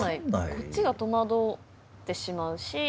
こっちが戸惑ってしまうし。